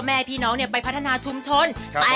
แม่พี่น้องไปพัฒนาชุมชน